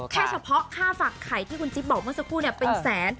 เฉพาะค่าฝักไข่ที่คุณจิ๊บบอกเมื่อสักครู่เนี่ยเป็นแสน